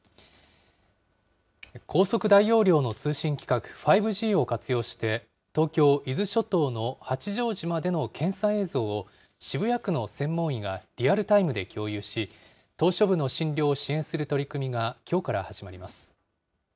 高速大容量の通信規格５Ｇを活用して、東京・伊豆諸島の八丈島での検査映像を、渋谷区の専門医がリアルタイムで共有し、島しょ部の診療を支援する取り組みが、きょうから始まります。